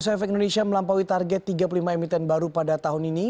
bursa efek indonesia melampaui target tiga puluh lima emiten baru pada tahun ini